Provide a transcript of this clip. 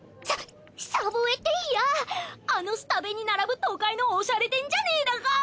ササボウェイていやぁあのスタベに並ぶ都会のおしゃれ店じゃねえだか！